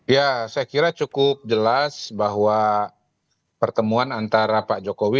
ya saya kira cukup jelas bahwa pertemuan antara pak jokowi